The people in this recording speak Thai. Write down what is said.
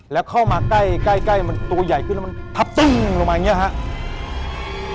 แล้วเข้ามาใกล้มันตัวใหญ่ขึ้นแล้วมันทับตึ้งลงมาอย่างนี้ครับ